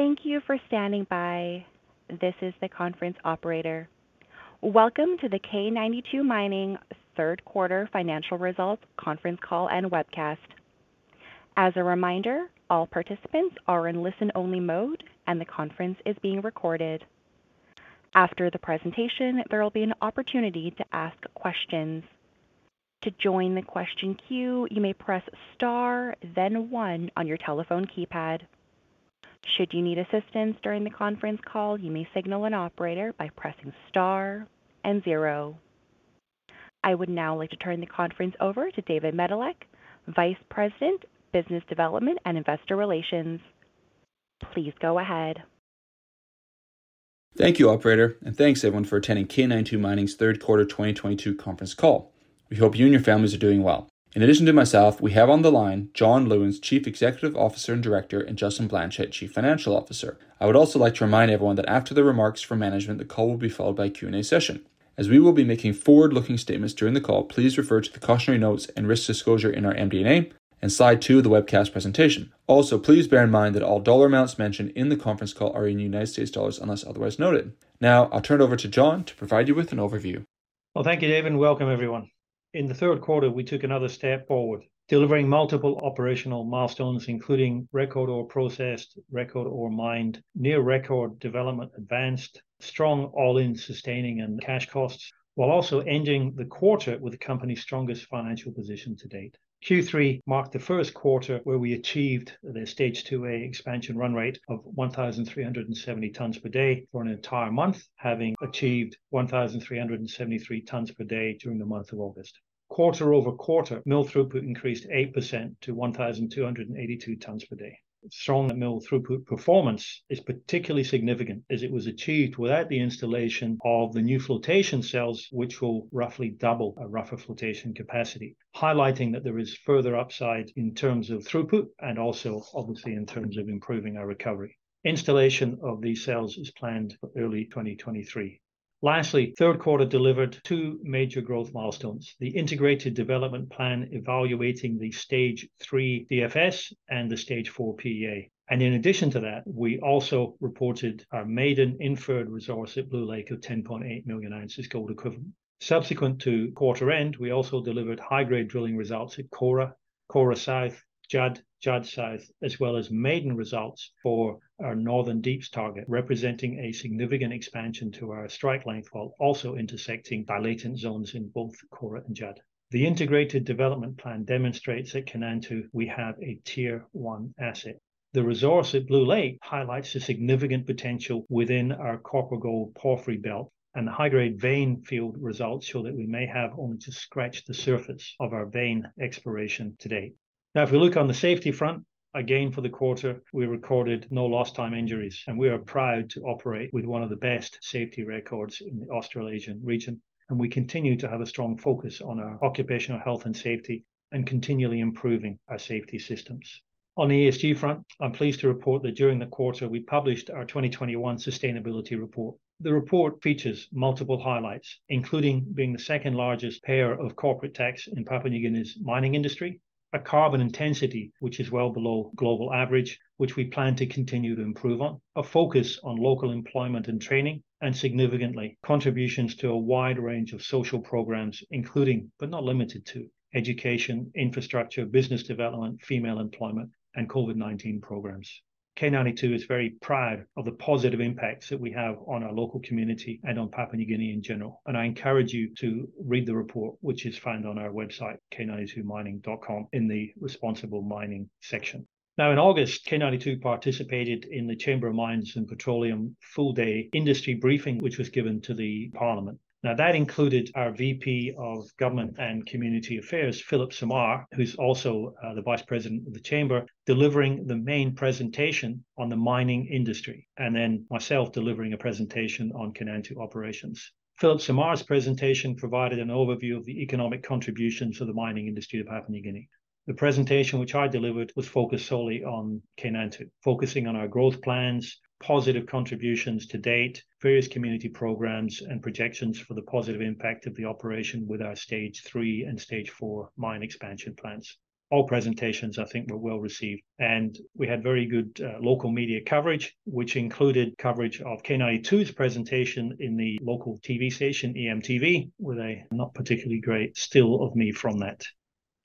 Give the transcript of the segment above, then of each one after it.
Thank you for standing by. This is the conference operator. Welcome to the K92 Mining third quarter financial results conference call and webcast. As a reminder, all participants are in listen-only mode, and the conference is being recorded. After the presentation, there will be an opportunity to ask questions. To join the question queue, you may press star then one on your telephone keypad. Should you need assistance during the conference call, you may signal an operator by pressing star and zero. I would now like to turn the conference over to David Medilek, Vice President, Business Development and Investor Relations. Please go ahead. Thank you, operator, and thanks everyone for attending K92 Mining's third quarter 2022 conference call. We hope you and your families are doing well. In addition to myself, we have on the line John Lewins, Chief Executive Officer and Director, and Justin Blanchet, Chief Financial Officer. I would also like to remind everyone that after the remarks from management, the call will be followed by a Q&A session. As we will be making forward-looking statements during the call, please refer to the cautionary notes and risk disclosure in our MD&A and slide two of the webcast presentation. Also, please bear in mind that all dollar amounts mentioned in the conference call are in United States dollars, unless otherwise noted. Now, I'll turn it over to John to provide you with an overview. Well, thank you, David, and welcome everyone. In the third quarter, we took another step forward, delivering multiple operational milestones, including record ore processed, record ore mined, near record development advanced, strong all-in sustaining and cash costs, while also ending the quarter with the company's strongest financial position to date. Q3 marked the first quarter where we achieved the Stage 2A expansion run rate of 1,370 tonnes per day for an entire month, having achieved 1,373 tonnes per day during the month of August. Quarter-over-quarter, mill throughput increased 8% to 1,282 tonnes per day. Strong mill throughput performance is particularly significant as it was achieved without the installation of the new flotation cells, which will roughly double a rougher flotation capacity, highlighting that there is further upside in terms of throughput and also obviously in terms of improving our recovery. Installation of these cells is planned for early 2023. Lastly, third quarter delivered two major growth milestones, the integrated development plan evaluating the Stage 3 DFS and the Stage 4 PEA. In addition to that, we also reported our maiden inferred resource at Blue Lake of 10.8 million oz gold equivalent. Subsequent to quarter end, we also delivered high-grade drilling results at Kora, Kora South, Judd, Judd South, as well as maiden results for our Northern Deeps target, representing a significant expansion to our strike length while also intersecting dilation zones in both Kora and Judd. The integrated development plan demonstrates at Kainantu we have a tier one asset. The resource at Blue Lake highlights the significant potential within our copper-gold porphyry belt, and the high-grade vein field results show that we may have only just scratched the surface of our vein exploration to date. Now, if we look on the safety front, again for the quarter, we recorded no lost time injuries, and we are proud to operate with one of the best safety records in the Australasian region, and we continue to have a strong focus on our occupational health and safety and continually improving our safety systems. On the ESG front, I'm pleased to report that during the quarter we published our 2021 sustainability report. The report features multiple highlights, including being the second largest payer of corporate tax in Papua New Guinea's mining industry, a carbon intensity which is well below global average, which we plan to continue to improve on, a focus on local employment and training, and significantly, contributions to a wide range of social programs, including but not limited to education, infrastructure, business development, female employment, and COVID-19 programs. K92 is very proud of the positive impacts that we have on our local community and on Papua New Guinea in general, and I encourage you to read the report, which is found on our website, k92mining.com, in the responsible mining section. Now in August, K92 participated in the Chamber of Mines and Petroleum full-day industry briefing, which was given to the parliament. That included our VP of Government and Community Affairs, Philip Samar, who's also the vice president of the chamber, delivering the main presentation on the mining industry, and then myself delivering a presentation on Kainantu operations. Philip Samar's presentation provided an overview of the economic contributions to the mining industry of Papua New Guinea. The presentation which I delivered was focused solely on Kainantu, focusing on our growth plans, positive contributions to date, various community programs, and projections for the positive impact of the operation with our Stage 3 and Stage 4 mine expansion plans. All presentations I think were well received, and we had very good local media coverage, which included coverage of K92's presentation in the local TV station, EMTV, with a not particularly great still of me from that.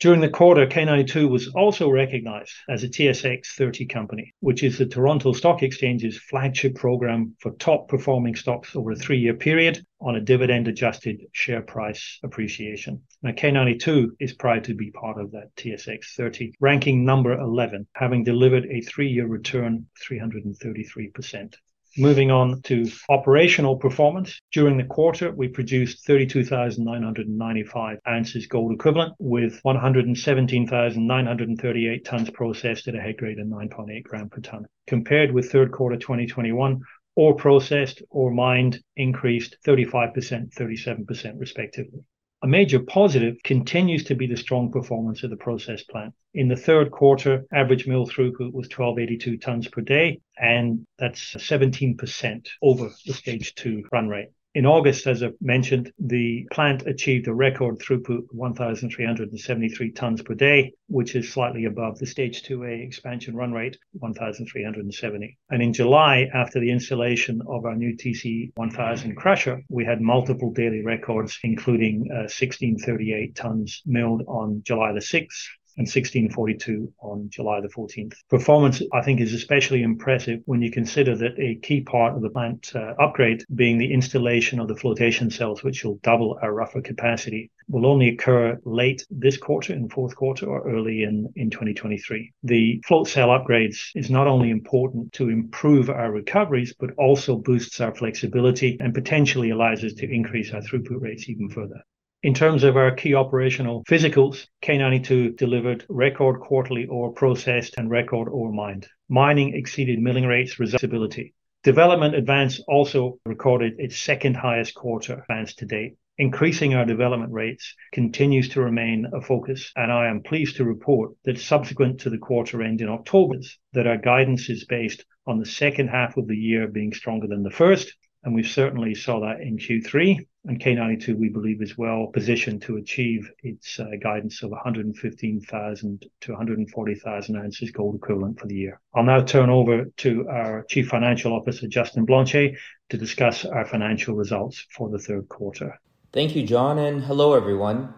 During the quarter, K92 was also recognized as a TSX30 company, which is the Toronto Stock Exchange's flagship program for top performing stocks over a three-year period on a dividend adjusted share price appreciation. K92 is proud to be part of that TSX30, ranking number 11, having delivered a three-year return 333%. Moving on to operational performance. During the quarter, we produced 32,995 oz gold equivalent with 117,938 tonnes processed at a head grade of 9.8 g per ton. Compared with third quarter 2021, ore processed, ore mined increased 35%, 37% respectively. A major positive continues to be the strong performance of the process plant. In the third quarter, average mill throughput was 1,282 tonnes per day, and that's 17% over the Stage 2 run rate. In August, as I've mentioned, the plant achieved a record throughput of 1,373 tonnes per day, which is slightly above the Stage 2A expansion run rate, 1,370. In July, after the installation of our new TC-1000 crusher, we had multiple daily records, including 1,638 tonnes milled on July the 6th and 1,642 tonnes on July the 14th. Performance, I think, is especially impressive when you consider that a key part of the plant upgrade being the installation of the flotation cells, which will double our rougher capacity, will only occur late this quarter, in fourth quarter or early in 2023. The flotation cell upgrades is not only important to improve our recoveries, but also boosts our flexibility and potentially allows us to increase our throughput rates even further. In terms of our key operational physicals, K92 delivered record quarterly ore processed and record ore mined. Mining exceeded milling rates, ability. Development advance also recorded its second highest quarter advance to date. Increasing our development rates continues to remain a focus, and I am pleased to report that subsequent to the quarter end in October, that our guidance is based on the second half of the year being stronger than the first, and we certainly saw that in Q3. K92, we believe, is well positioned to achieve its guidance of 115,000 oz-140,000 oz gold equivalent for the year. I'll now turn over to our Chief Financial Officer, Justin Blanchet, to discuss our financial results for the third quarter. Thank you, John, and hello everyone.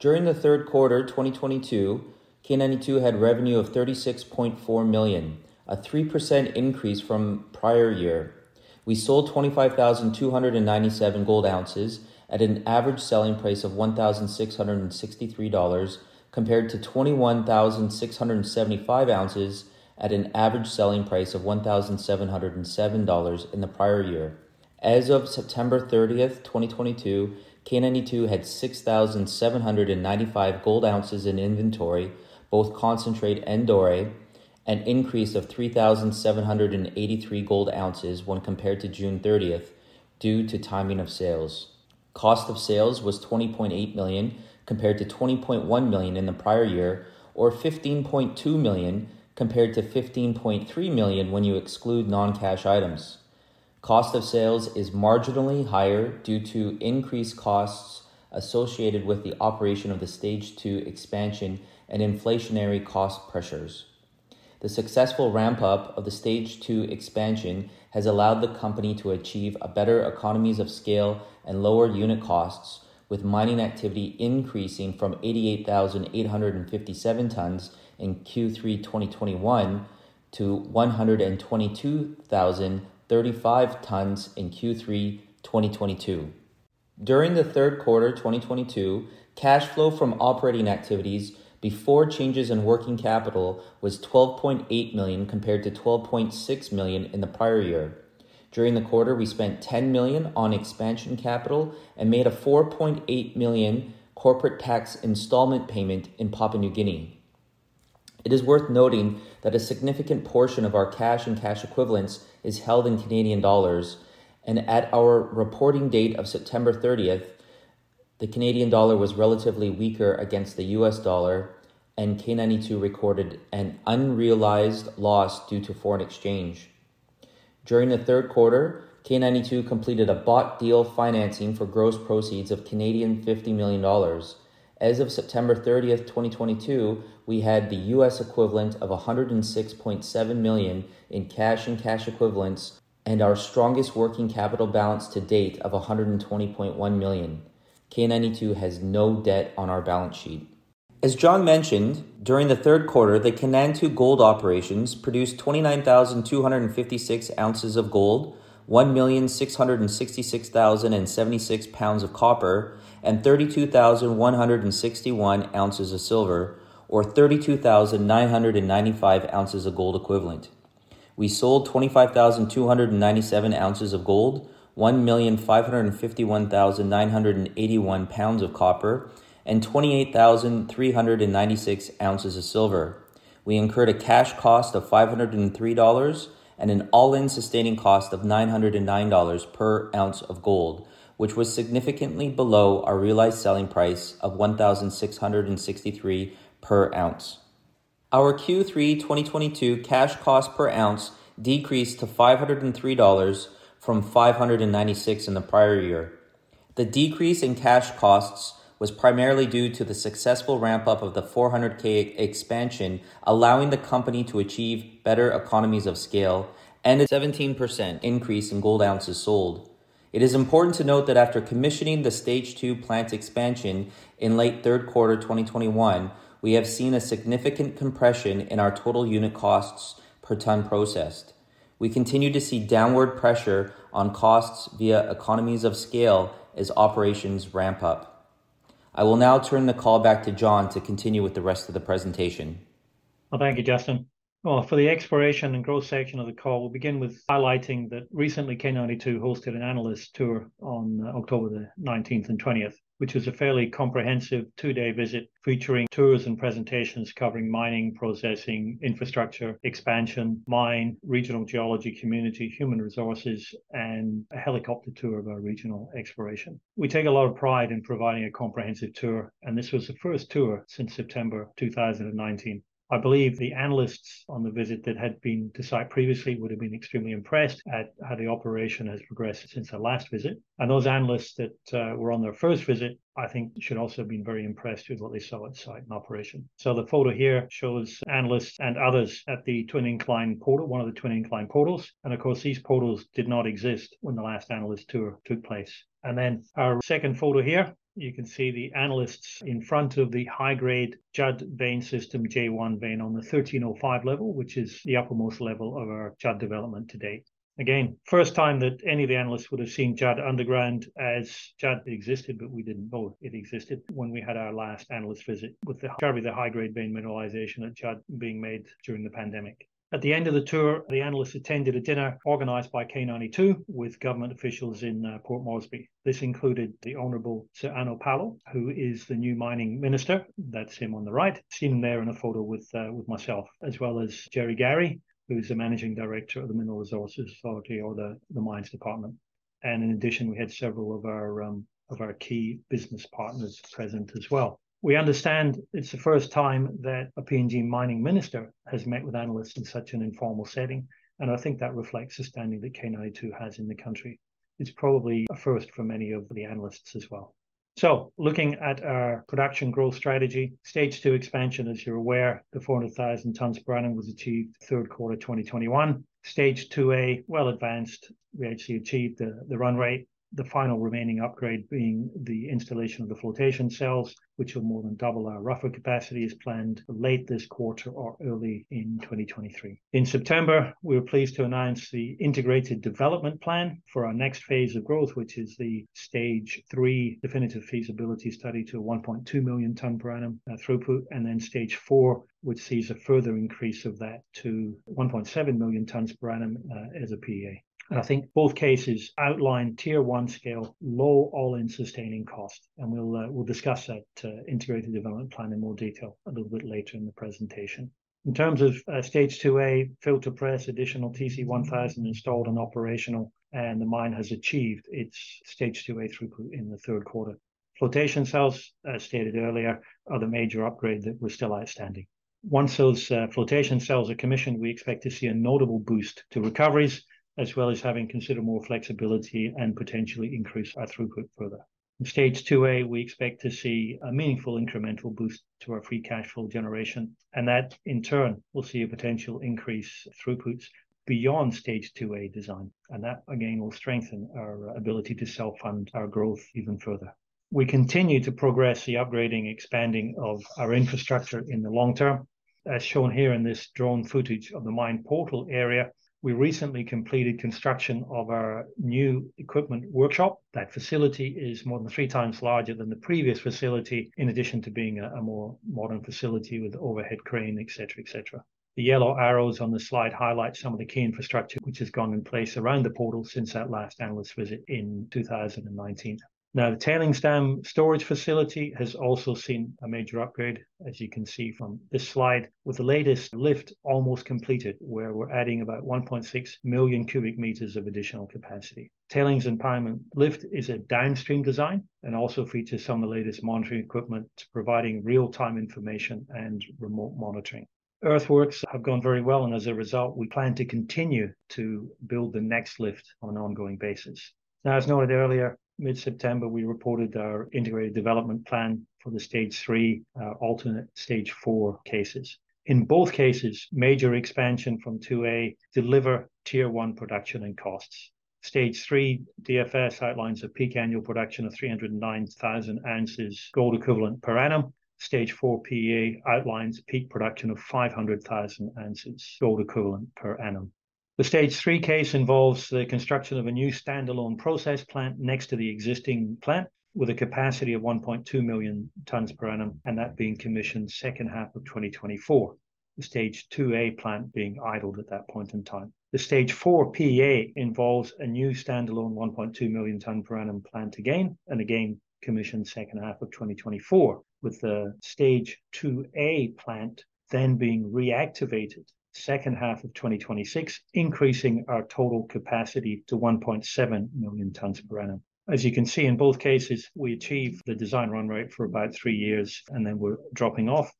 During the third quarter 2022, K92 had revenue of $36.4 million, a 3% increase from prior year. We sold 25,297 gold oz at an average selling price of $1,663, compared to 21,675 oz at an average selling price of $1,707 in the prior year. As of September 30th, 2022, K92 had 6,795 gold ounces in inventory, both concentrate and doré, an increase of 3,783 gold ounces when compared to June 30th due to timing of sales. Cost of sales was $20.8 million compared to $20.1 million in the prior year, or $15.2 million compared to $15.3 million when you exclude non-cash items. Cost of sales is marginally higher due to increased costs associated with the operation of Stage 2 Expansion and inflationary cost pressures. The successful ramp up of Stage 2 Expansion has allowed the company to achieve a better economies of scale and lower unit costs with mining activity increasing from 88,857 tonnes in Q3 2021 to 122,035 tonnes in Q3 2022. During the third quarter 2022, cash flow from operating activities before changes in working capital was $12.8 million compared to $12.6 million in the prior year. During the quarter, we spent $10 million on expansion capital and made a $4.8 million corporate tax installment payment in Papua New Guinea. It is worth noting that a significant portion of our cash and cash equivalents is held in Canadian dollars, and at our reporting date of September 30th, the Canadian dollar was relatively weaker against the U.S. dollar, and K92 recorded an unrealized loss due to foreign exchange. During the third quarter, K92 completed a bought deal financing for gross proceeds of 50 million Canadian dollars. As of September 30th, 2022, we had the U.S. Equivalent of $106.7 million in cash and cash equivalents and our strongest working capital balance to date of $120.1 million. K92 has no debt on our balance sheet. As John mentioned, during the third quarter, the K92 gold operations produced 29,256 oz of gold, 1,666,076 lbs of copper, and 32,161 oz of silver, or 32,995 oz of gold equivalent. We sold 25,297 oz of gold, 1,551,981 lbs of copper, and 28,396 oz of silver. We incurred a cash cost of $503 and an all-in sustaining cost of $909 per ounce of gold, which was significantly below our realized selling price of $1,663 per ounce. Our Q3 2022 cash cost per ounce decreased to $503 from $596 in the prior year. The decrease in cash costs was primarily due to the successful ramp-up of the 400K expansion, allowing the company to achieve better economies of scale and a 17% increase in gold ounces sold. It is important to note that after commissioning the Stage 2 plant expansion in late third quarter 2021, we have seen a significant compression in our total unit costs per tonne processed. We continue to see downward pressure on costs via economies of scale as operations ramp up. I will now turn the call back to John to continue with the rest of the presentation. Well, thank you, Justin. Well, for the exploration and growth section of the call, we'll begin with highlighting that recently K92 hosted an analyst tour on October the 19th and 20th, which was a fairly comprehensive two-day visit featuring tours and presentations covering mining, processing, infrastructure, expansion, mine, regional geology, community, human resources, and a helicopter tour of our regional exploration. We take a lot of pride in providing a comprehensive tour, and this was the first tour since September 2019. I believe the analysts on the visit that had been to site previously would have been extremely impressed at how the operation has progressed since their last visit. Those analysts that were on their first visit, I think should also have been very impressed with what they saw on site and operation. The photo here shows analysts and others at the twin incline portal, one of the twin incline portals. Of course, these portals did not exist when the last analyst tour took place. Our second photo here, you can see the analysts in front of the high-grade Judd vein system, J1 Vein on the 1305 level, which is the uppermost level of our Judd development to date. Again, first time that any of the analysts would have seen Judd underground as Judd existed, it existed when we had our last analyst visit with the current high-grade vein mineralization at Judd being made during the pandemic. At the end of the tour, the analysts attended a dinner organized by K92 with government officials in Port Moresby. This included the Honorable Sir Ano Pala, who is the new Mining Minister. That's him on the right. See him there in a photo with myself, as well as Jerry Garry, who is the Managing Director of the Mineral Resources Authority or the Mines Department. In addition, we had several of our key business partners present as well. We understand it's the first time that a PNG Mining Minister has met with analysts in such an informal setting, and I think that reflects the standing that K92 has in the country. It's probably a first for many of the analysts as well. Looking at our production growth strategy. Stage 2 Expansion, as you're aware, the 400,000 tonnes per annum was achieved third quarter 2021. Stage 2A, well-advanced. We actually achieved the run rate, the final remaining upgrade being the installation of the flotation cells, which will more than double our rougher capacity as planned late this quarter or early in 2023. In September, we were pleased to announce the integrated development plan for our next phase of growth, which is the Stage 3 definitive feasibility study to 1.2 million tonnes per annum throughput, and then Stage 4, which sees a further increase of that to 1.7 million tonnes per annum as a PEA. I think both cases outline tier one scale, low all-in sustaining cost, and we'll discuss that integrated development plan in more detail a little bit later in the presentation. In terms of Stage 2A, filter press, additional TC-1000 installed and operational, and the mine has achieved its Stage 2A throughput in the third quarter. Flotation cells, as stated earlier, are the major upgrade that was still outstanding. Once those flotation cells are commissioned, we expect to see a notable boost to recoveries, as well as having considerable flexibility and potentially increase our throughput further. In Stage 2A, we expect to see a meaningful incremental boost to our free cash flow generation, and that in turn will see a potential increase throughputs beyond Stage 2A design. That again will strengthen our ability to self-fund our growth even further. We continue to progress the upgrading, expanding of our infrastructure in the long term. As shown here in this drone footage of the mine portal area, we recently completed construction of our new equipment workshop. That facility is more than three times larger than the previous facility, in addition to being a more modern facility with overhead crane, et cetera, et cetera. The yellow arrows on the slide highlight some of the key infrastructure which has gone in place around the portal since that last analyst visit in 2019. The tailings dam storage facility has also seen a major upgrade, as you can see from this slide, with the latest lift almost completed, where we're adding about 1.6 million cubic meters of additional capacity. Tailings dam lift is a downstream design and also features some of the latest monitoring equipment, providing real-time information and remote monitoring. Earthworks have gone very well, and as a result, we plan to continue to build the next lift on an ongoing basis. Now, as noted earlier, mid-September, we reported our integrated development plan for the Stage 3, alternate Stage 4 cases. In both cases, major expansion from 2A deliver tier one production and costs. Stage 3 DFS outlines a peak annual production of 309,000 oz gold equivalent per annum. Stage 4 PEA outlines peak production of 500,000 oz gold equivalent per annum. The Stage 3 case involves the construction of a new standalone process plant next to the existing plant with a capacity of 1.2 million tonnes per annum, and that being commissioned second half of 2024. The Stage 2A plant being idled at that point in time. The Stage 4 PEA involves a new standalone 1.2 million tonne per annum plant again, and again, commissioned second half of 2024, with the Stage 2A plant then being reactivated second half of 2026, increasing our total capacity to 1.7 million tonnes per annum. As you can see, in both cases, we achieve the design run rate for about three years, and then we're dropping off.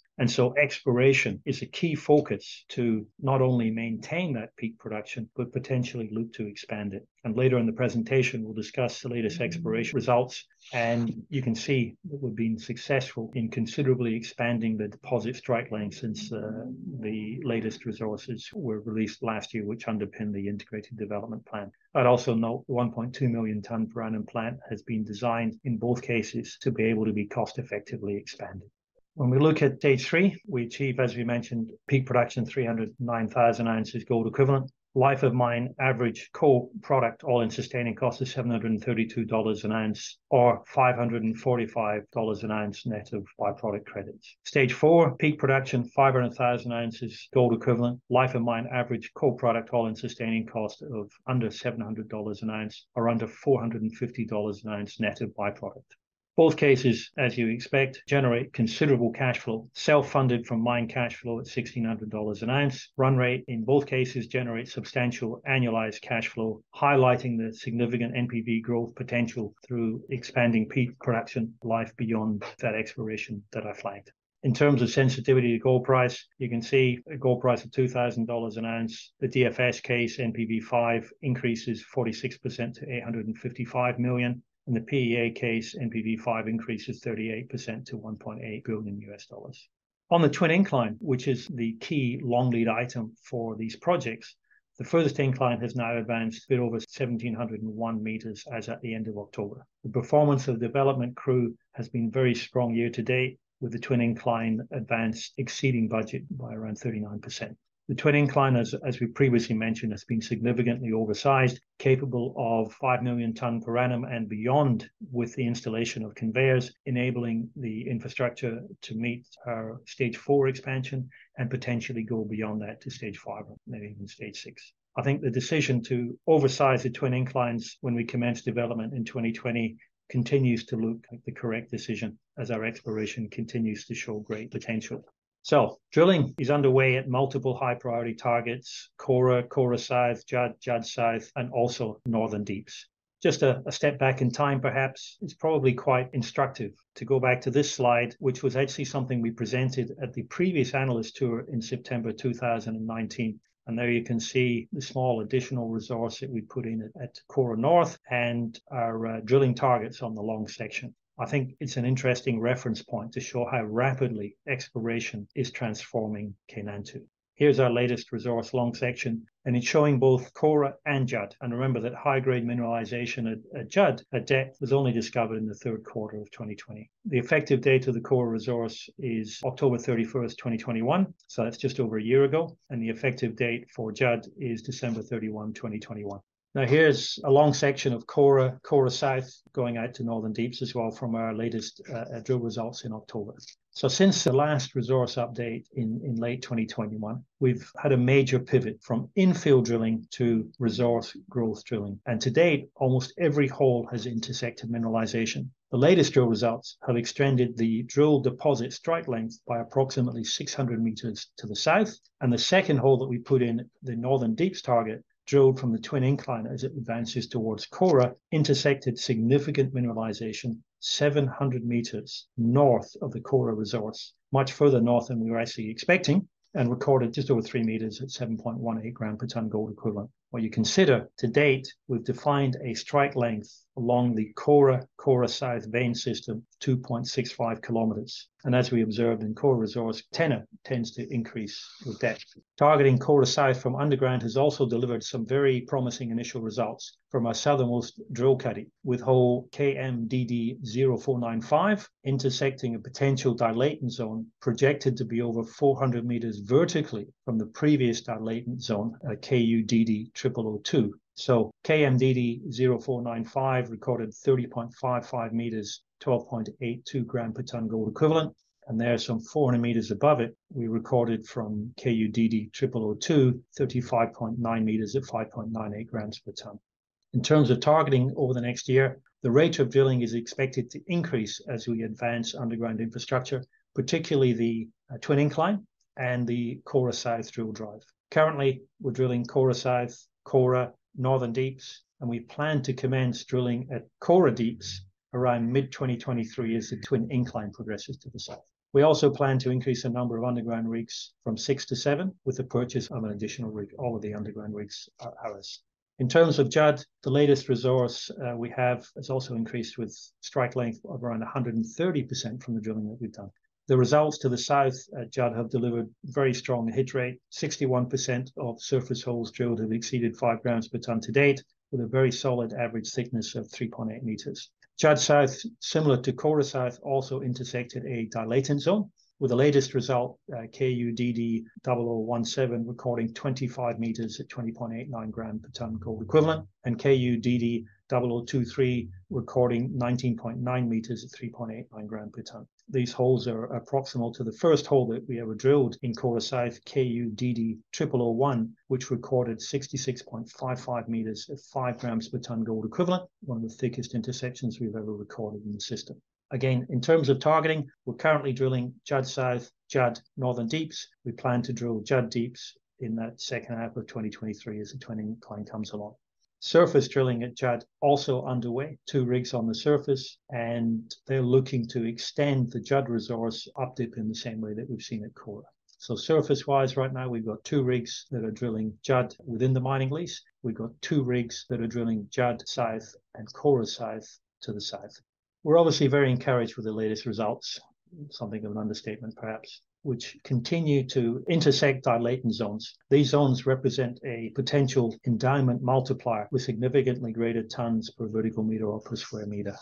Exploration is a key focus to not only maintain that peak production, but potentially look to expand it. Later in the presentation, we'll discuss the latest exploration results. You can see that we've been successful in considerably expanding the deposit strike length since the latest resources were released last year, which underpinned the integrated development plan. I'd also note the 1.2 million tonne per annum plant has been designed in both cases to be able to be cost effectively expanded. When we look at Stage 3, we achieve, as we mentioned, peak production 309,000 oz gold equivalent. Life of mine average co-product all-in sustaining cost is $732 an ounce or $545 an ounce net of by-product credits. Stage 4, peak production, 500,000 oz gold equivalent. Life of mine average co-product all-in sustaining cost of under $700 an ounce or under $450 an ounce net of by-product. Both cases, as you expect, generate considerable cash flow, self-funded from mine cash flow at $1,600 an ounce. Run rate in both cases generate substantial annualized cashflow, highlighting the significant NPV growth potential through expanding peak production life beyond that exploration that I flagged. In terms of sensitivity to gold price, you can see a gold price of $2,000 an ounce. The DFS case NPV5 increases 46% to $855 million. In the PEA case, NPV5 increases 38% to $1.8 billion. On the twin incline, which is the key long lead item for these projects, the furthest incline has now advanced a bit over 1,701 m as at the end of October. The performance of development crew has been very strong year to date, with the twin incline advance exceeding budget by around 39%. The twin incline, as we previously mentioned, has been significantly oversized, capable of 5 million tonne per annum and beyond with the installation of conveyors, enabling the infrastructure to meet our Stage 4 Expansion and potentially go beyond that to Stage 5 or maybe even Stage 6. I think the decision to oversize the twin inclines when we commenced development in 2020 continues to look like the correct decision as our exploration continues to show great potential. Drilling is underway at multiple high priority targets, Kora, Kora South, Judd, Judd South, and also Northern Deeps. Just a step back in time, perhaps. It's probably quite instructive to go back to this slide, which was actually something we presented at the previous analyst tour in September 2019. There you can see the small additional resource that we put in at Kora North and our drilling targets on the long section. I think it's an interesting reference point to show how rapidly exploration is transforming Kainantu. Here's our latest resource long section, and it's showing both Kora and Judd. Remember that high-grade mineralization at Judd at depth was only discovered in the third quarter of 2020. The effective date of the Kora resource is October 31st, 2021, so that's just over a year ago, and the effective date for Judd is December 31, 2021. Now, here's a long section of Kora South going out to Northern Deeps as well from our latest drill results in October. Since the last resource update in late 2021, we've had a major pivot from infill drilling to resource growth drilling. To date, almost every hole has intersected mineralization. The latest drill results have extended the drill deposit strike length by approximately 600 m to the south, and the second hole that we put in the Northern Deeps target, drilled from the twin incline as it advances towards Kora, intersected significant mineralization 700 m north of the Kora resource, much further north than we were actually expecting, and recorded just over 3 m at 7.18 g per tonne gold equivalent. When you consider, to date, we've defined a strike length along the Kora South vein system, 2.65 km. As we observed in Kora resource, tenor tends to increase with depth. Targeting Kora South from underground has also delivered some very promising initial results from our southernmost drill cutting, with hole KMDD0495 intersecting a potential dilation zone projected to be over 400 m vertically from the previous dilation zone at KUDD0002. KMDD0495 recorded 30.55 m, 12.82 g per tonne gold equivalent. There, some 400 m above it, we recorded from KUDD0002, 35.9 m at 5.98 g per tonne. In terms of targeting over the next year, the rate of drilling is expected to increase as we advance underground infrastructure, particularly the twin incline and the Kora South drill drive. Currently, we're drilling Kora South, Kora, Northern Deeps, and we plan to commence drilling at Kora Deeps around mid-2023 as the twin incline progresses to the south. We also plan to increase the number of underground rigs from six to seven with the purchase of an additional rig. All of the underground rigs are ours. In terms of Judd, the latest resource has also increased with strike length of around 130% from the drilling that we've done. The results to the south at Judd have delivered very strong hit rate. 61% of surface holes drilled have exceeded 5 g per tonne to date, with a very solid average thickness of 3.8 m. Judd South, similar to Kora South, also intersected a dilation zone, with the latest result, KUDD0017 recording 25 m at 20.89 g/t gold equivalent, and KUDD0023 recording 19.9 m at 3.89 g/t. These holes are proximal to the first hole that we ever drilled in Kora South, KUDD0001, which recorded 66.55 meters at 5 grams per tonne gold equivalent, one of the thickest intersections we've ever recorded in the system. Again, in terms of targeting, we're currently drilling Judd South, Judd, Northern Deeps. We plan to drill Judd Deeps in that second half of 2023 as the twin incline comes along. Surface drilling at Judd also underway. Two rigs on the surface, and they're looking to extend the Judd resource up dip in the same way that we've seen at Kora. Surface-wise right now, we've got two rigs that are drilling Judd within the mining lease. We've got two rigs that are drilling Judd South and Kora South to the south. We're obviously very encouraged with the latest results. Something of an understatement, perhaps, which continue to intersect our dilation zones. These zones represent a potential endowment multiplier with significantly greater tonnes per vertical meter or per square meter.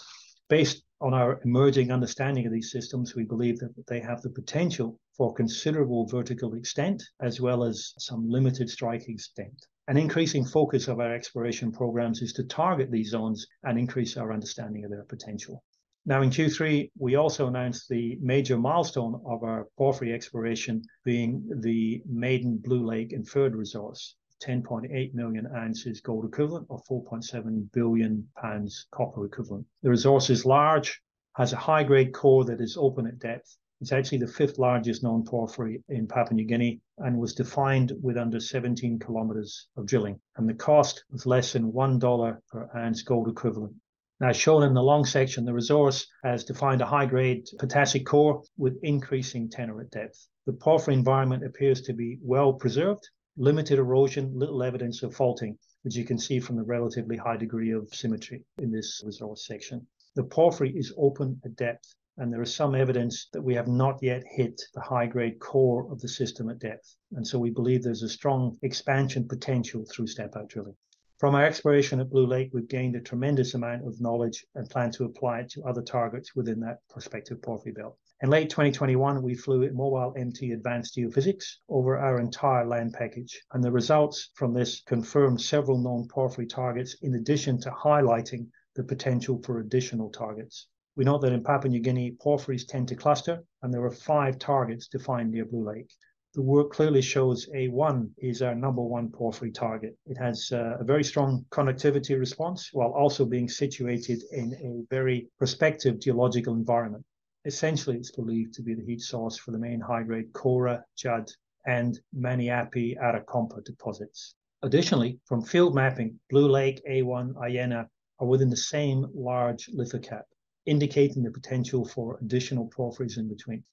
Based on our emerging understanding of these systems, we believe that they have the potential for considerable vertical extent, as well as some limited strike extent. An increasing focus of our exploration programs is to target these zones and increase our understanding of their potential. Now, in Q3, we also announced the major milestone of our porphyry exploration being the maiden Blue Lake inferred resource, 10.8 million oz gold equivalent or 4.7 billion lbs copper equivalent. The resource is large, has a high-grade core that is open at depth. It's actually the fifth largest known porphyry in Papua New Guinea and was defined with under 17 km of drilling, and the cost was less than $1 per ounce gold equivalent. Now, shown in the long section, the resource has defined a high-grade potassic core with increasing tenor at depth. The porphyry environment appears to be well-preserved, limited erosion, little evidence of faulting, as you can see from the relatively high degree of symmetry in this resource section. The porphyry is open at depth, and there is some evidence that we have not yet hit the high-grade core of the system at depth. We believe there's a strong expansion potential through step-out drilling. From our exploration at Blue Lake, we've gained a tremendous amount of knowledge and plan to apply it to other targets within that prospective porphyry belt. In late 2021, we flew a MobileMT advanced geophysics over our entire land package, and the results from this confirmed several known porphyry targets in addition to highlighting the potential for additional targets. We know that in Papua New Guinea, porphyries tend to cluster, and there are five targets defined near Blue Lake. The work clearly shows A1 is our number one porphyry target. It has a very strong conductivity response while also being situated in a very prospective geological environment. Essentially, it's believed to be the heat source for the main high-grade Kora, Judd, and Maniape/Arakompa deposits. Additionally, from field mapping, Blue Lake, A1, Ayena are within the same large lithocap, indicating the potential for additional porphyries in between.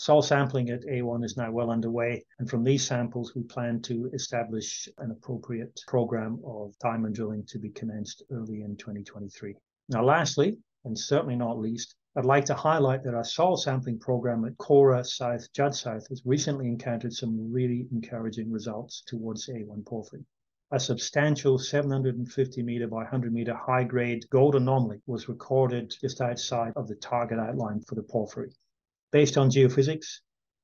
Soil sampling at A1 is now well underway, and from these samples, we plan to establish an appropriate program of diamond drilling to be commenced early in 2023. Now, lastly, and certainly not least, I'd like to highlight that our soil sampling program at Kora South/Judd South has recently encountered some really encouraging results towards A1 porphyry. A substantial 750 m by 100 m high-grade gold anomaly was recorded just outside of the target outline for the porphyry. Based on geophysics,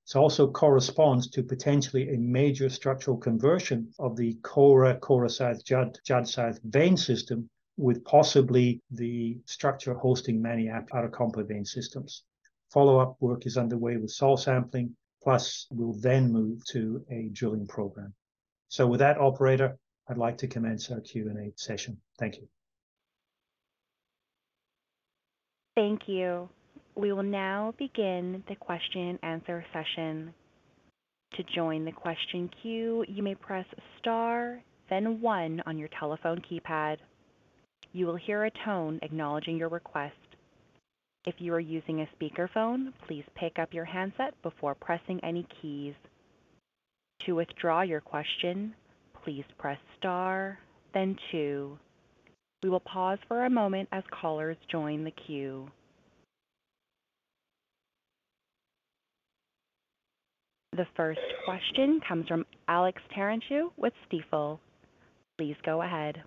this also corresponds to potentially a major structural convergence of the Kora, Kora South, Judd, Judd South vein system, with possibly the structure hosting Maniape/Arakompa vein systems. Follow-up work is underway with soil sampling, plus we'll then move to a drilling program. With that, operator, I'd like to commence our Q&A session. Thank you. Thank you. We will now begin the question and answer session. To join the question queue, you may press star then one on your telephone keypad. You will hear a tone acknowledging your request. If you are using a speakerphone, please pick up your handset before pressing any keys. To withdraw your question, please press star then two. We will pause for a moment as callers join the queue. The first question comes from Alex Terentiew with Stifel. Please go ahead.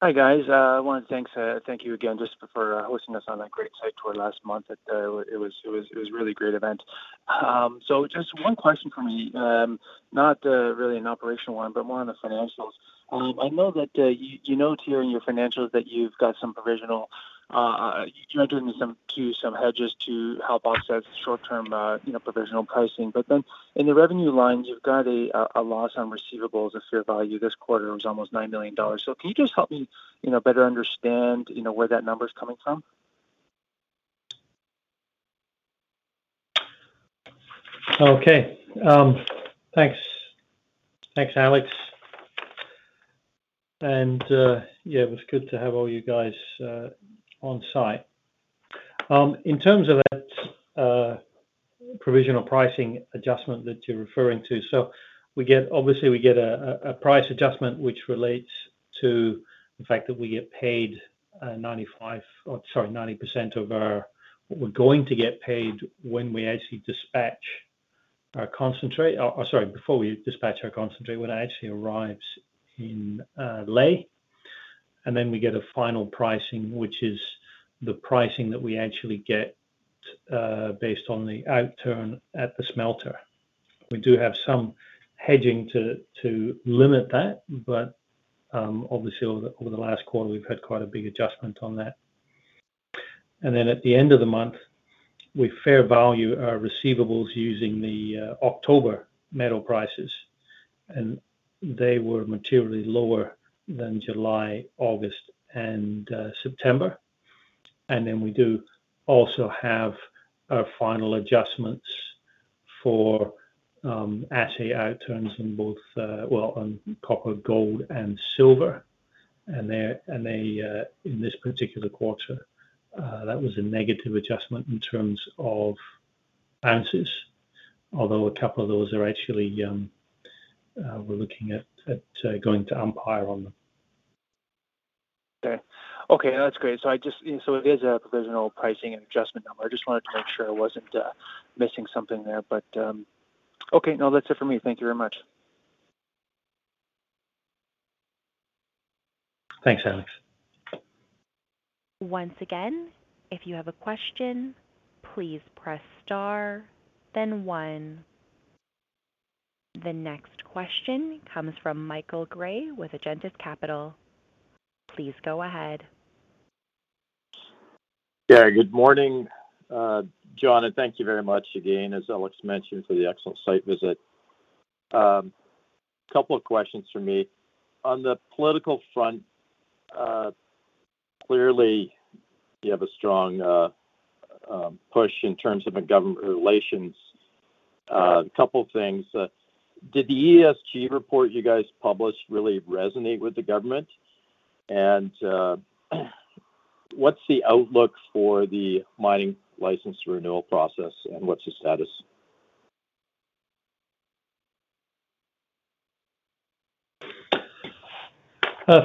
Hi, guys. I want to thank you again just for hosting us on that great site tour last month. It was a really great event. Just one question for me. Not really an operational one, but more on the financials. I know that you note here in your financials that you entered into some hedges to help offset short-term, you know, provisional pricing. Then in the revenue line, you've got a loss on receivables of fair value. This quarter, it was almost $9 million. Can you just help me, you know, better understand, you know, where that number is coming from? Okay. Thanks. Thanks, Alex. Yeah, it was good to have all you guys on-site. In terms of that provisional pricing adjustment that you're referring to, obviously, we get a price adjustment which relates to the fact that we get paid 90% of our what we're going to get paid when we actually dispatch our concentrate. Sorry, before we dispatch our concentrate, when it actually arrives in Lae. Then we get a final pricing, which is the pricing that we actually get based on the outturn at the smelter. We do have some hedging to limit that, but obviously over the last quarter, we've had quite a big adjustment on that. Then at the end of the month, we fair value our receivables using the October metal prices, and they were materially lower than July, August, and September. We do also have our final adjustments for assay outturns on copper, gold, and silver. They, in this particular quarter, that was a negative adjustment in terms of ounces, although a couple of those are actually, we're looking at going to umpire on them. Okay. Okay, that's great. It is a provisional pricing and adjustment number. I just wanted to make sure I wasn't missing something there, but. Okay, no, that's it for me. Thank you very much. Thanks, Alex. Once again, if you have a question, please press star then one. The next question comes from Michael Gray with Agentis Capital. Please go ahead. Yeah, good morning, John, and thank you very much again, as Alex mentioned, for the excellent site visit. Couple of questions from me. On the political front, clearly you have a strong push in terms of government relations. A couple things. Did the ESG report you guys published really resonate with the government? And what's the outlook for the mining license renewal process, and what's the status?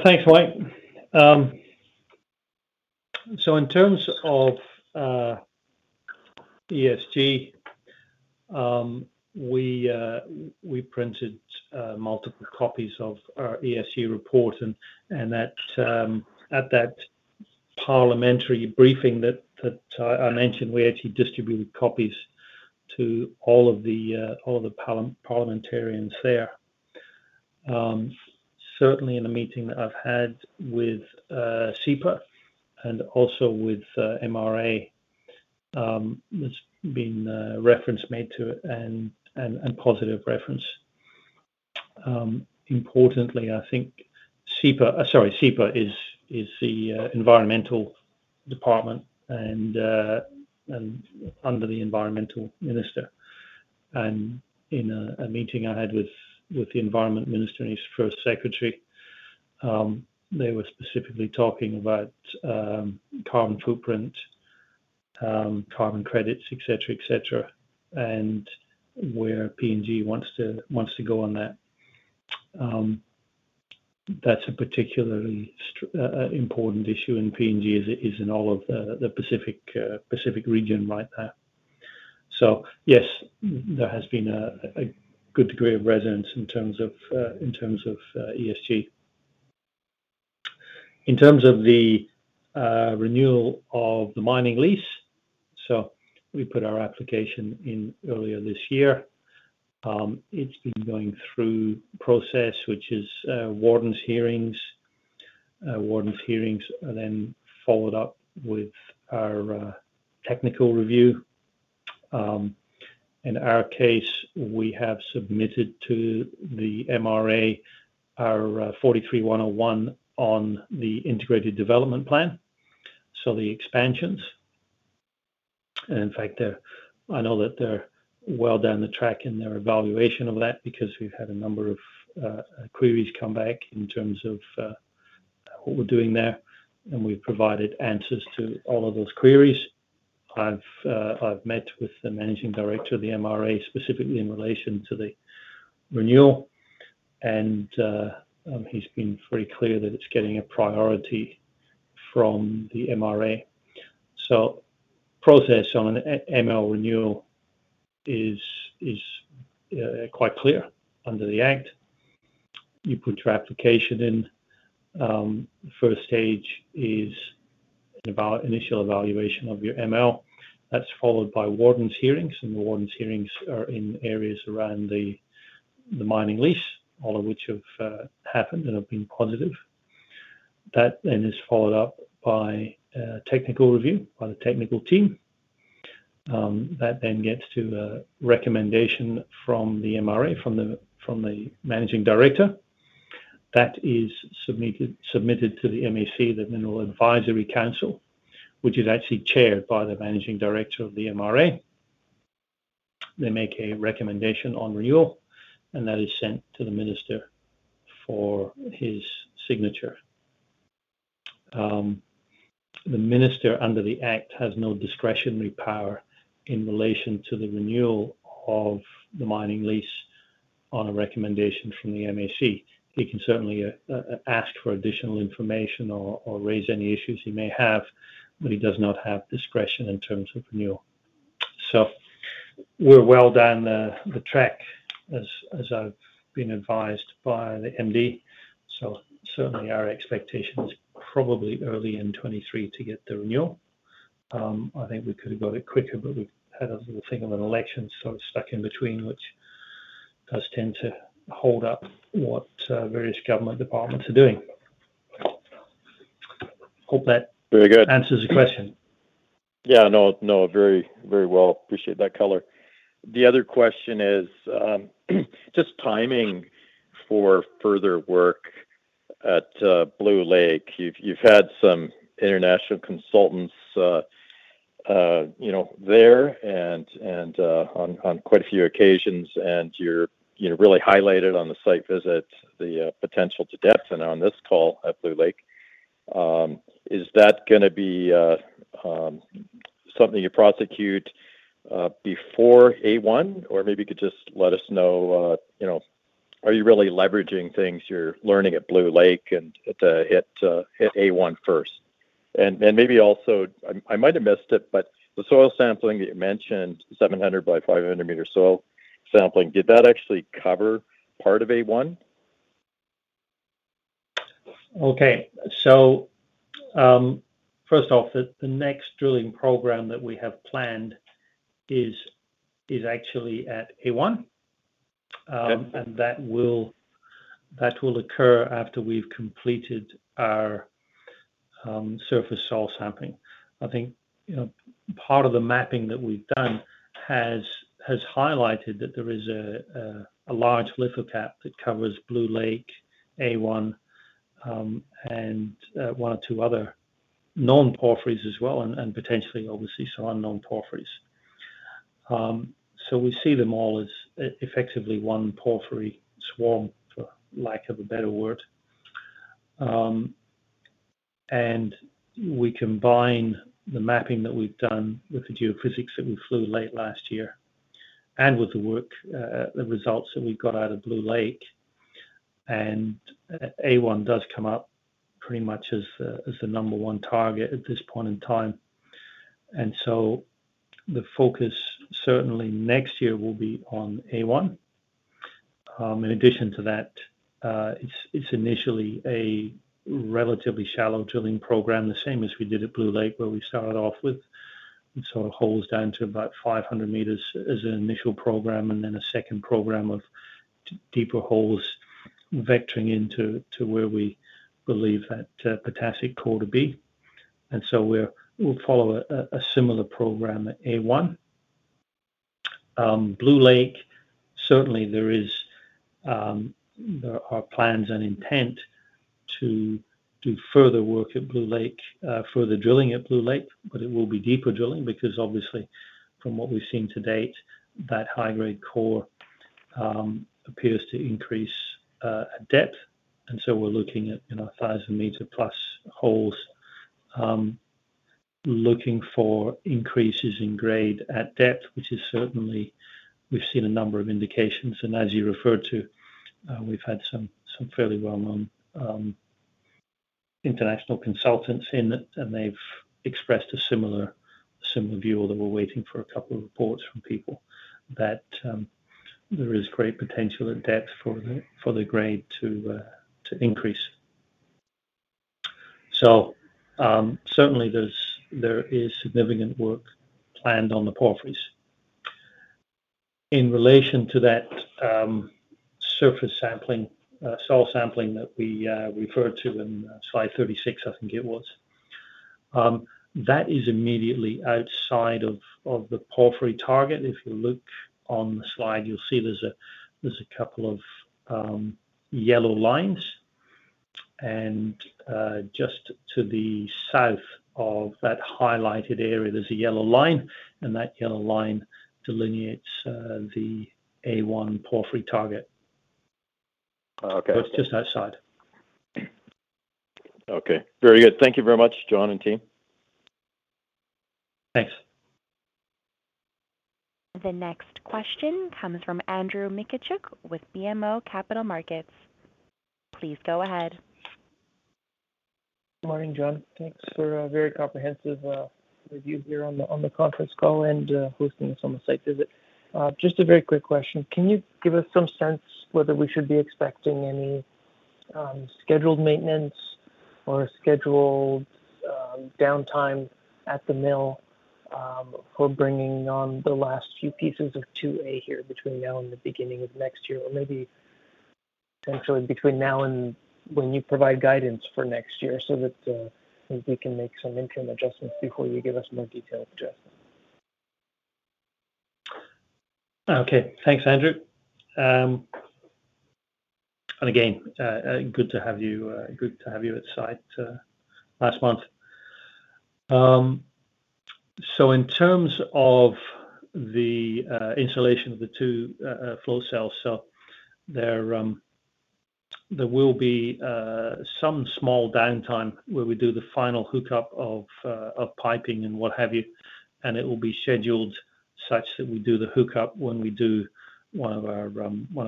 Thanks, Mike. So in terms of ESG, we printed multiple copies of our ESG report and at that parliamentary briefing that I mentioned, we actually distributed copies to all of the parliamentarians there. Certainly in the meeting that I've had with CEPA and also with MRA, there's been a reference made to it and positive reference. Importantly, I think CEPA is the environmental department and under the environmental minister. In a meeting I had with the environment minister and his first secretary, they were specifically talking about carbon footprint, carbon credits, et cetera, and where PNG wants to go on that. That's a particularly important issue in PNG as it is in all of the Pacific region right there. Yes, there has been a good degree of resonance in terms of ESG. In terms of the renewal of the mining lease, we put our application in earlier this year. It's been going through process, which is warden's hearing. Warden's hearing are then followed up with our technical review. In our case, we have submitted to the MRA our 43-101 on the integrated development plan, the expansions. In fact, I know that they're well down the track in their evaluation of that because we've had a number of queries come back in terms of what we're doing there, and we've provided answers to all of those queries. I've met with the managing director of the MRA specifically in relation to the renewal, and he's been very clear that it's getting a priority from the MRA. Process on an ML renewal is quite clear under the Act. You put your application in. First Stage is initial evaluation of your ML. That's followed by warden's hearing, and the warden's hearings are in areas around the mining lease, all of which have happened and have been positive. That then is followed up by a technical review by the technical team. That then gets to a recommendation from the MRA, from the managing director. That is submitted to the MAC, the Mineral Advisory Council, which is actually chaired by the managing director of the MRA. They make a recommendation on renewal, and that is sent to the minister for his signature. The minister under the Act has no discretionary power in relation to the renewal of the mining lease on a recommendation from the MAC. He can certainly ask for additional information or raise any issues he may have, but he does not have discretion in terms of renewal. We're well down the track as I've been advised by the MD. Certainly our expectation is probably early in 2023 to get the renewal. I think we could have got it quicker, but we've had a little thing with an election, so it's stuck in between, which does tend to hold up what various government departments are doing. Hope that Very good. Answers the question. Yeah. No, no, very, very well. Appreciate that color. The other question is, just timing for further work at Blue Lake. You've had some international consultants, you know, there and, on quite a few occasions, and you're, you know, really highlighted on the site visit the, potential to depth and on this call at Blue Lake. Is that gonna be, something you prosecute, before A1? Or maybe you could just let us know, you know, are you really leveraging things you're learning at Blue Lake and at the, A1 first? Maybe also, I might have missed it, but the soil sampling that you mentioned, 700 m by 500 m soil sampling, did that actually cover part of A1? First off, the next drilling program that we have planned is actually at A1. Yep. That will occur after we've completed our surface soil sampling. I think, you know, part of the mapping that we've done has highlighted that there is a large lithocap that covers Blue Lake, A1, and one or two other known porphyries as well, and potentially obviously some unknown porphyries. We see them all as effectively one porphyry swarm, for lack of a better word. We combine the mapping that we've done with the geophysics that we flew late last year and with the work, the results that we got out of Blue Lake, and A1 does come up pretty much as the number one target at this point in time. The focus certainly next year will be on A1. In addition to that, it's initially a relatively shallow drilling program, the same as we did at Blue Lake, where we started off with sort of holes down to about 500 m as an initial program, and then a second program of deeper holes vectoring into where we believe that potassic core to be. We'll follow a similar program at A1. Blue Lake, there are plans and intent to do further work at Blue Lake, further drilling at Blue Lake. It will be deeper drilling because obviously from what we've seen to date, that high-grade core appears to increase at depth. We're looking at, you know, 1,000+ m holes, looking for increases in grade at depth, which is certainly we've seen a number of indications. As you referred to, we've had some fairly well-known international consultants in, and they've expressed a similar view, although we're waiting for a couple of reports from people that there is great potential at depth for the grade to increase. Certainly there is significant work planned on the porphyries. In relation to that, surface sampling, soil sampling that we referred to in slide 36, I think it was, that is immediately outside of the porphyry target. If you look on the slide, you'll see there's a couple of yellow lines. Just to the south of that highlighted area, there's a yellow line, and that yellow line delineates the A1 porphyry target. Okay. It's just outside. Okay. Very good. Thank you very much, John and team. Thanks. The next question comes from Andrew Mikitchook with BMO Capital Markets. Please go ahead. Morning, John. Thanks for a very comprehensive review here on the conference call and hosting us on the site visit. Just a very quick question. Can you give us some sense whether we should be expecting any scheduled maintenance or scheduled downtime at the mill for bringing on the last few pieces of two A here between now and the beginning of next year? Or maybe potentially between now and when you provide guidance for next year so that we can make some interim adjustments before you give us more detailed adjustments. Okay. Thanks, Andrew. Again, good to have you at site last month. In terms of the installation of the two flotation cells, there will be some small downtime where we do the final hookup of piping and what have you. It will be scheduled such that we do the hookup when we do one of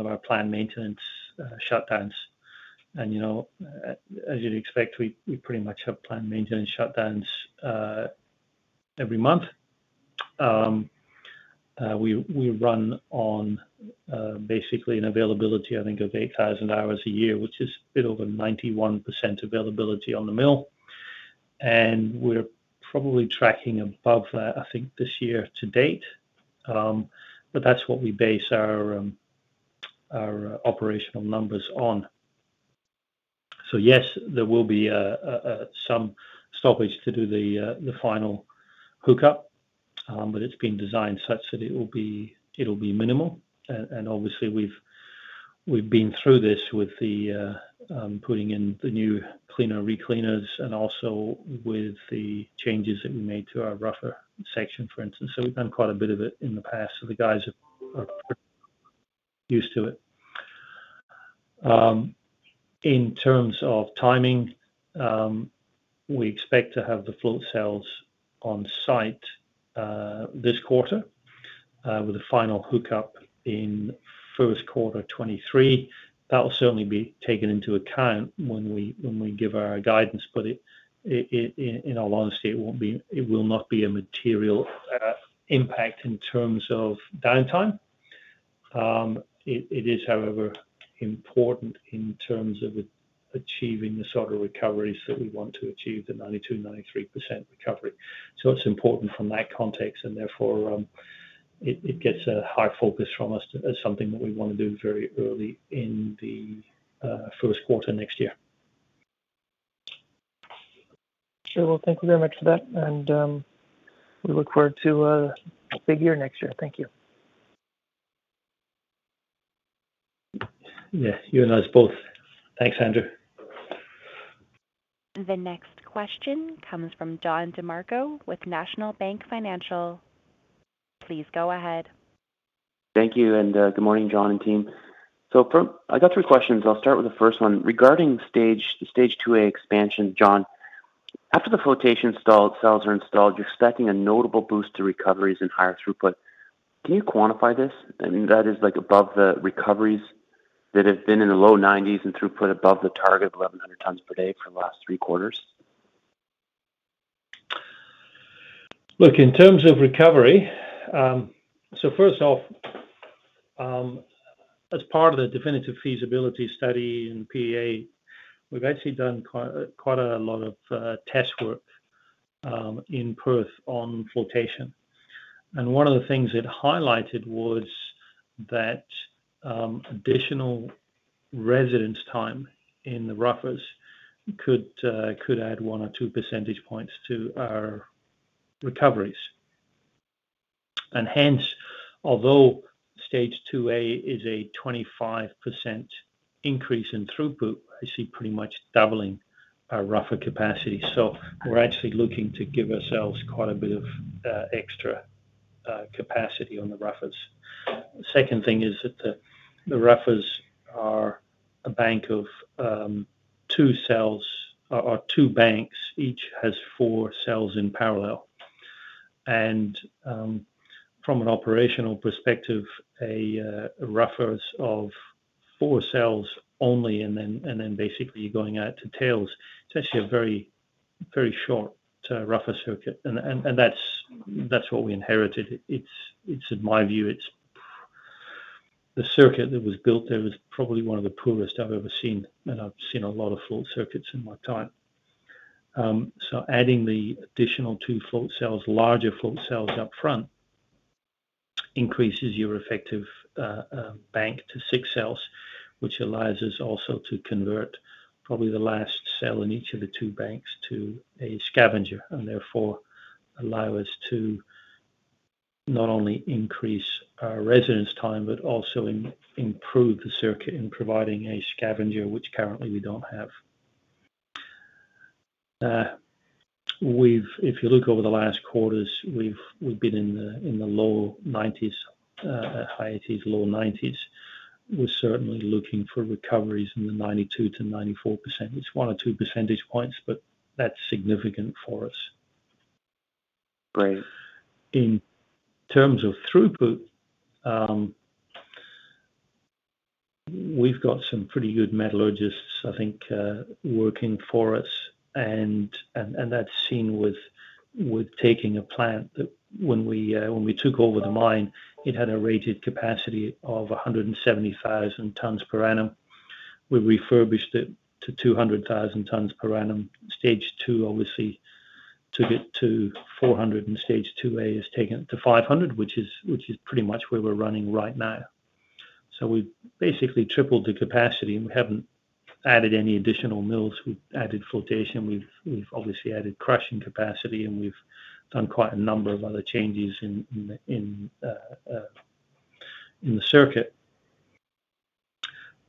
our planned maintenance shutdowns. You know, as you'd expect, we pretty much have planned maintenance shutdowns every month. We run on basically an availability, I think, of 8,000 hours a year, which is a bit over 91% availability on the mill. We're probably tracking above that, I think, this year-to-date. That's what we base our operational numbers on. Yes, there will be some stoppage to do the final hookup. It's been designed such that it'll be minimal. Obviously we've been through this with putting in the new cleaner, recleaners and also with the changes that we made to our rougher section, for instance. We've done quite a bit of it in the past. The guys are pretty used to it. In terms of timing, we expect to have the flotation cells on site this quarter with the final hookup in first quarter 2023. That will certainly be taken into account when we give our guidance. In all honesty, it won't be. It will not be a material impact in terms of downtime. It is, however, important in terms of achieving the sort of recoveries that we want to achieve, the 92%, 93% recovery. It's important from that context and therefore, it gets a high focus from us as something that we wanna do very early in the first quarter next year. Sure. Well, thank you very much for that, and we look forward to a big year next year. Thank you. Yeah. You and us both. Thanks, Andrew. The next question comes from Don DeMarco with National Bank Financial. Please go ahead. Thank you. Good morning, John and team. I got three questions. I'll start with the first one. Regarding the Stage 2A Expansion, John, after the flotation cells are installed, you're expecting a notable boost to recoveries and higher throughput. Can you quantify this? I mean, that is like above the recoveries that have been in the low 90s and throughput above the target of 1,100 tonnes per day for the last three quarters. Look, in terms of recovery, so first off, as part of the definitive feasibility study in PEA, we've actually done quite a lot of test work in Perth on flotation. One of the things it highlighted was that additional residence time in the roughers could add one or two percentage points to our recoveries. Hence, although Stage 2A is a 25% increase in throughput, I see pretty much doubling our rougher capacity. We're actually looking to give ourselves quite a bit of extra capacity on the roughers. Second thing is that the roughers are a bank of two cells or two banks. Each has four cells in parallel. From an operational perspective, roughers of four cells only and then basically you're going out to tails. It's actually a very, very short rougher circuit. That's what we inherited. In my view, it's the circuit that was built there was probably one of the poorest I've ever seen, and I've seen a lot of flot circuits in my time. Adding the additional two flot cells, larger flot cells up front, increases your effective bank to six cells, which allows us also to convert probably the last cell in each of the two banks to a scavenger. Therefore, allow us to not only increase our residence time, but also improve the circuit in providing a scavenger, which currently we don't have. If you look over the last quarters, we've been in the low 90s, high 80s, low 90s. We're certainly looking for recoveries in the 92%-94%. It's 1 or 2 percentage points, but that's significant for us. Great. In terms of throughput, we've got some pretty good metallurgists, I think, working for us. That's seen with taking a plant that when we when we took over the mine, it had a rated capacity of 170,000 tonnes per annum. We refurbished it to 200,000 tonnes per annum. Stage 2 obviously took it to 400, and Stage 2A has taken it to 500, which is pretty much where we're running right now. We've basically tripled the capacity, and we haven't added any additional mills. We've added flotation, we've obviously added crushing capacity, and we've done quite a number of other changes in the circuit.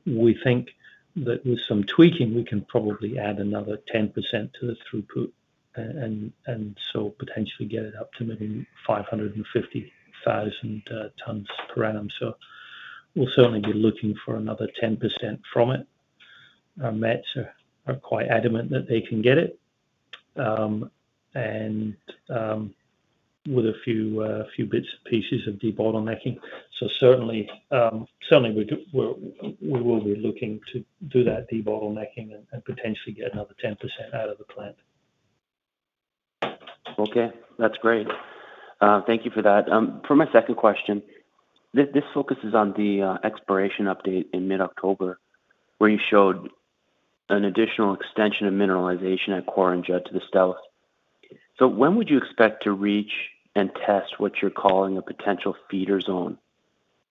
We think that with some tweaking, we can probably add another 10% to the throughput and so potentially get it up to maybe 550,000 tonnes per annum. We'll certainly be looking for another 10% from it. Our mets are quite adamant that they can get it, and with a few bits and pieces of debottlenecking. Certainly we will be looking to do that debottlenecking and potentially get another 10% out of the plant. Okay. That's great. Thank you for that. For my second question, this focuses on the exploration update in mid-October, where you showed an additional extension of mineralization at Kora and Judd to the south. When would you expect to reach and test what you're calling a potential feeder zone?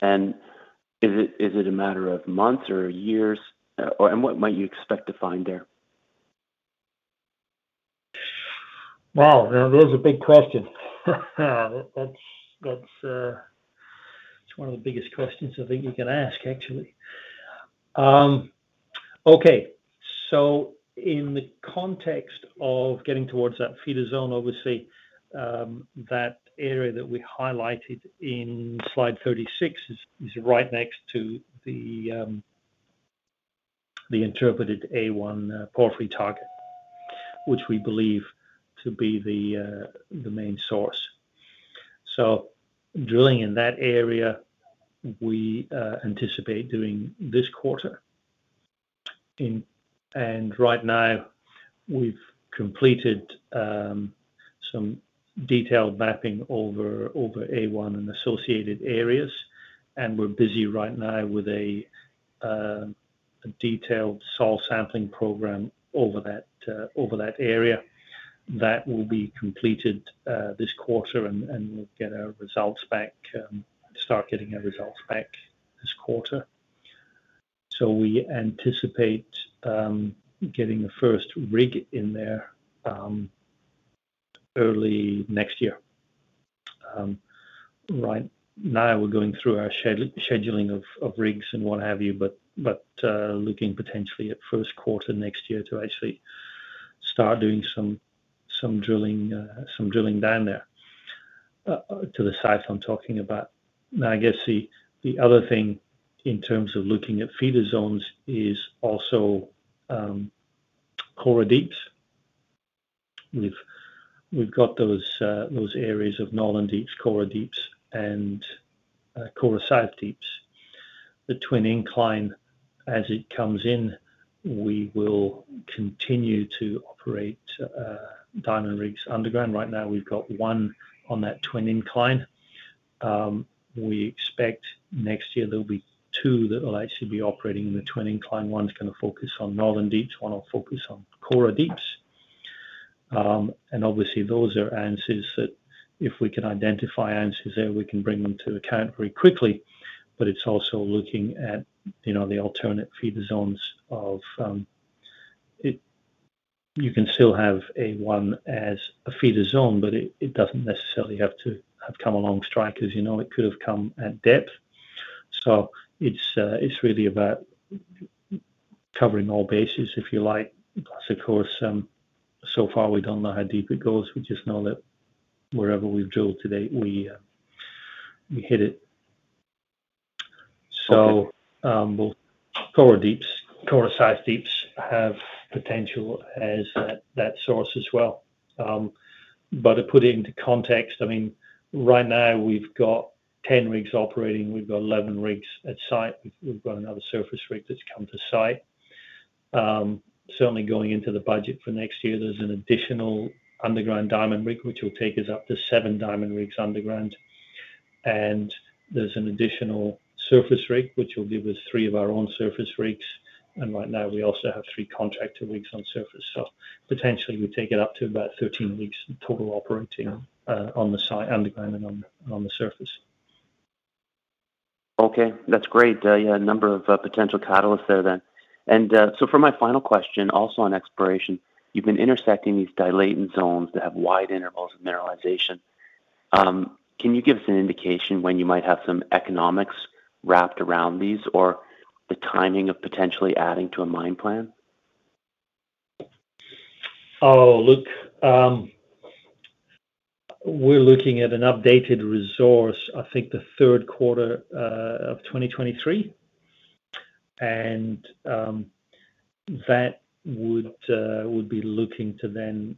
Is it a matter of months or years? What might you expect to find there? Wow, now those are big questions. That's one of the biggest questions I think you can ask, actually. In the context of getting towards that feeder zone, obviously, that area that we highlighted in slide 36 is right next to the interpreted A1 porphyry target, which we believe to be the main source. Drilling in that area, we anticipate doing this quarter. Right now we've completed some detailed mapping over A1 and associated areas, and we're busy right now with a detailed soil sampling program over that area that will be completed this quarter, and we'll start getting our results back this quarter. We anticipate getting the first rig in there early next year. Right now we're going through our scheduling of rigs and what have you, but looking potentially at first quarter next year to actually start doing some drilling down there to the site I'm talking about. Now, I guess the other thing in terms of looking at feeder zones is also Kora Deeps. We've got those areas of Northern Deeps, Kora Deeps and Kora South Deeps. The twin incline as it comes in, we will continue to operate diamond rigs underground. Right now we've got one on that twin incline. We expect next year there'll be two that will actually be operating in the twin incline. One's gonna focus on Northern Deeps, one will focus on Kora Deeps. Obviously those are answers that if we can identify answers there, we can bring them to account very quickly. It's also looking at, you know, the alternate feeder zones. You can still have A1 as a feeder zone, but it doesn't necessarily have to have come along strike as you know, it could have come at depth. It's really about covering all bases, if you like. Because of course, so far we don't know how deep it goes. We just know that wherever we've drilled to date, we hit it. Kora Deeps, Kora South Deeps have potential as that source as well. To put it into context, I mean, right now we've got 10 rigs operating. We've got 11 rigs at site. We've got another surface rig that's come to site. Certainly going into the budget for next year, there's an additional underground diamond rig, which will take us up to seven diamond rigs underground. There's an additional surface rig, which will give us three of our own surface rigs. Right now we also have three contractor rigs on surface. Potentially would take it up to about 13 rigs total operating on the site, underground and on the surface. Okay. That's great. Yeah, a number of potential catalysts there then. For my final question, also on exploration, you've been intersecting these dilation zones that have wide intervals of mineralization. Can you give us an indication when you might have some economics wrapped around these or the timing of potentially adding to a mine plan? We're looking at an updated resource, I think the third quarter of 2023. That would be looking to then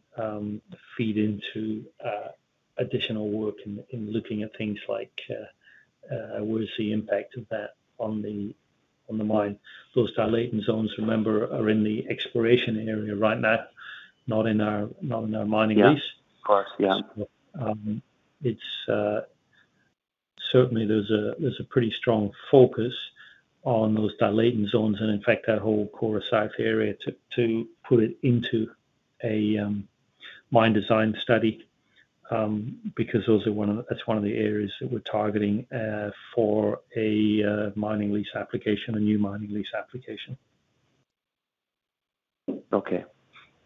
feed into additional work in looking at things like what is the impact of that on the mine. Those dilation zones, remember, are in the exploration area right now, not in our mining lease. Yeah. Of course, yeah. Certainly there's a pretty strong focus on those dilation zones and in fact that whole Kora South area to put it into a mine design study, because that's one of the areas that we're targeting for a new mining lease application. Okay.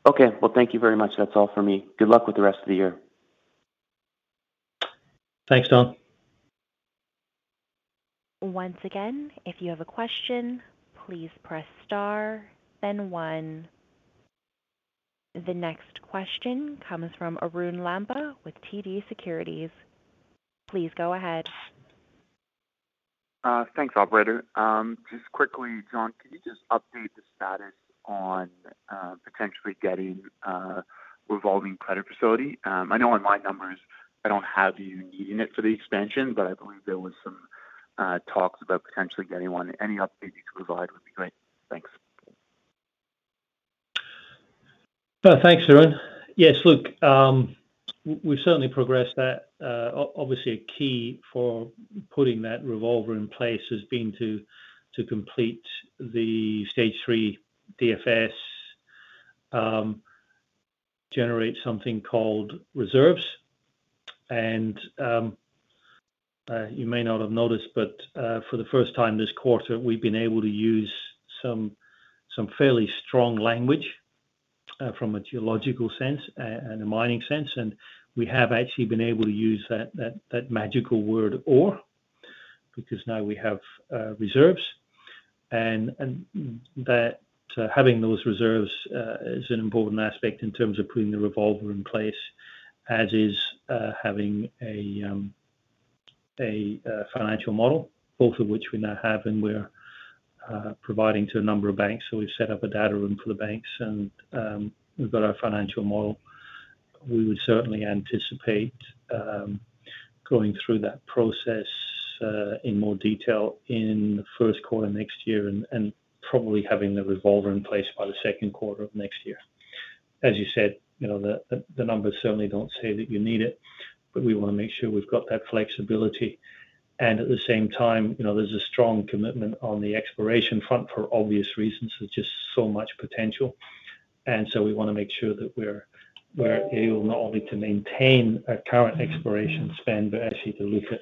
Okay. Well, thank you very much. That's all for me. Good luck with the rest of the year. Thanks, Don. Once again, if you have a question, please press star, then one. The next question comes from Arun Lamba with TD Securities. Please go ahead. Thanks, operator. Just quickly, John, can you just update the status on potentially getting a revolving credit facility? I know in my numbers I don't have you needing it for the expansion, but I believe there was some talks about potentially getting one. Any update you could provide would be great. Thanks. Thanks, Arun. Yes, look, we've certainly progressed that. Obviously a key for putting that revolver in place has been to complete the Stage 3 DFS, generate something called reserves. You may not have noticed, but for the first time this quarter, we've been able to use some fairly strong language from a geological sense and a mining sense. We have actually been able to use that magical word ore. Because now we have reserves and having those reserves is an important aspect in terms of putting the revolver in place, as is having a financial model, both of which we now have and we're providing to a number of banks. We've set up a data room for the banks and we've got our financial model. We would certainly anticipate going through that process in more detail in the first quarter next year and probably having the revolver in place by the second quarter of next year. As you said, you know, the numbers certainly don't say that you need it, but we wanna make sure we've got that flexibility. At the same time, you know, there's a strong commitment on the exploration front for obvious reasons. There's just so much potential. We wanna make sure that we're able not only to maintain our current exploration spend, but actually to look at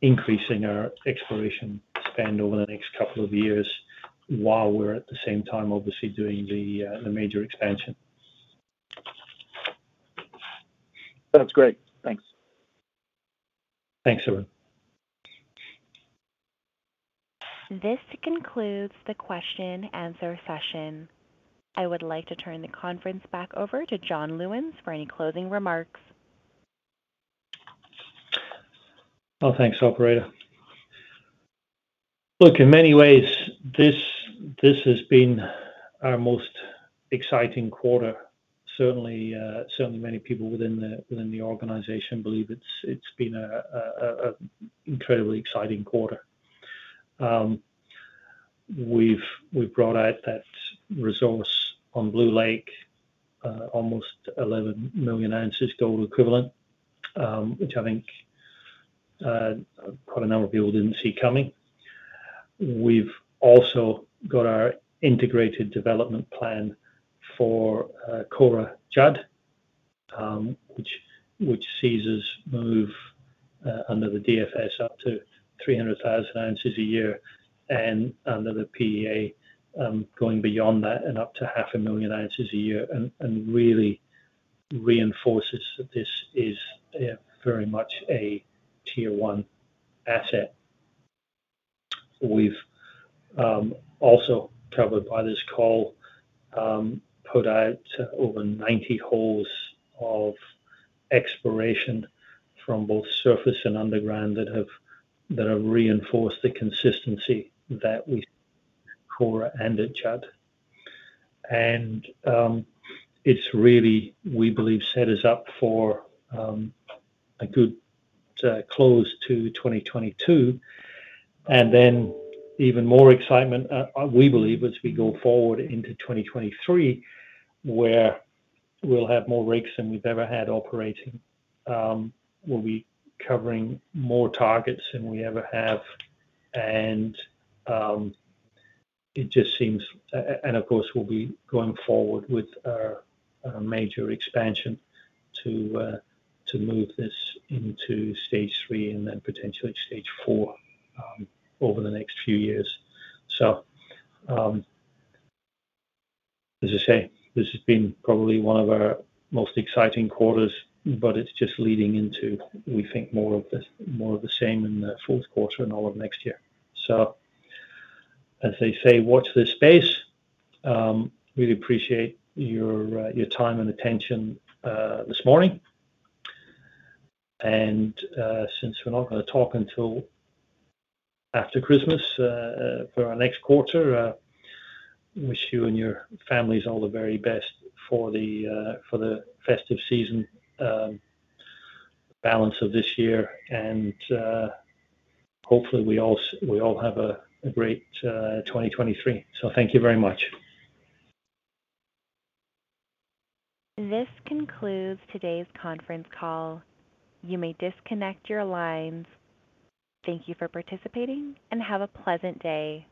increasing our exploration spend over the next couple of years while we're at the same time obviously doing the major expansion. Sounds great. Thanks. Thanks, Arun. This concludes the question answer session. I would like to turn the conference back over to John Lewins for any closing remarks. Oh, thanks, operator. Look, in many ways, this has been our most exciting quarter. Certainly, many people within the organization believe it's been an incredibly exciting quarter. We've brought out that resource on Blue Lake, almost 11 million ounces gold equivalent, which I think quite a number of people didn't see coming. We've also got our integrated development plan for Kora-Judd, which sees us move under the DFS up to 300,000 oz a year and under the PEA, going beyond that and up to 500,000 oz a year and really reinforces that this is very much a tier one asset. We've also covered in this call put out over 90 holes of exploration from both surface and underground that have reinforced the consistency at Kora and Judd. It really we believe set us up for a good close to 2022. Then even more excitement we believe as we go forward into 2023, where we'll have more rigs than we've ever had operating. We'll be covering more targets than we ever have. It just seems, and of course, we'll be going forward with our major expansion to move this into Stage 3 and then potentially Stage 4 over the next few years. As I say, this has been probably one of our most exciting quarters, but it's just leading into, we think, more of the same in the fourth quarter and all of next year. As they say, watch this space. Really appreciate your time and attention this morning. Since we're not gonna talk until after Christmas for our next quarter, wish you and your families all the very best for the festive season, balance of this year. Hopefully we all have a great 2023. Thank you very much. This concludes today's conference call. You may disconnect your lines. Thank you for participating, and have a pleasant day.